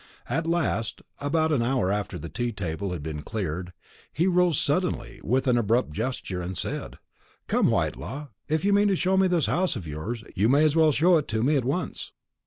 At last, about an hour after the tea table had been cleared, he rose suddenly, with an abrupt gesture, and said, "Come, Whitelaw, if you mean to show me this house of yours, you may as well show it to me at once."